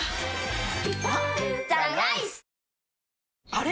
あれ？